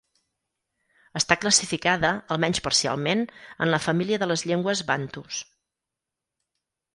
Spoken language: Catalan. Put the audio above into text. Està classificada, almenys parcialment, en la família de les llengües bantus.